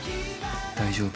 大丈夫？